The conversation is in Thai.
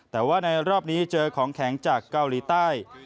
แต่ว่าในรอบนี้เจอของแข็งจากเกาหลีใต้